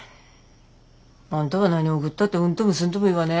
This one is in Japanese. あんたは何送ったってうんともすんとも言わね。